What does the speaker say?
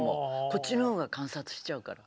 こっちの方が観察しちゃうから。